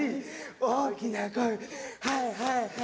大きな声ではいはいはい！